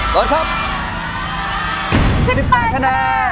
๑๘คะแนน